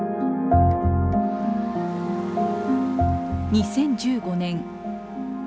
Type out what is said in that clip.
２０１５年。